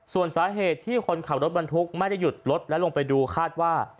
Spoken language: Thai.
ส่วนสาเหตุที่คนขับรถบรรทุกไม่ได้หยุดรถและลงไปดูคาดว่า